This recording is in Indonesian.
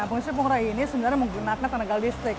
mesin pengurai ini sebenarnya menggunakan tenaga listrik